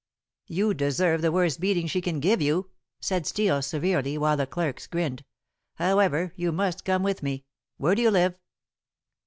"You deserve the worst beating she can give you," said Steel severely, while the clerks grinned. "However, you must come with me. Where do you live?"